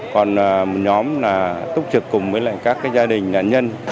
còn một nhóm là túc trực cùng với các gia đình nạn nhân